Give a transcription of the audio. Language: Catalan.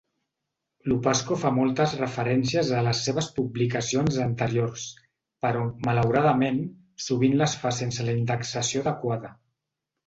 Lupasco fa moltes referències a les seves publicacions anteriors, però, malauradament, sovint les fa sense la indexació adequada.